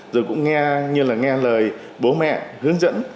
rồi cũng nghe như là nghe lời bố mẹ hướng dẫn